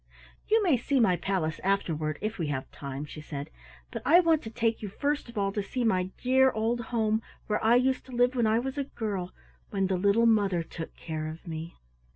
"You may see my palace afterward, if we have time," she said, "but I want to take you first of all to see my dear old home where I used to live when I was a girl, when the little mother took care of me."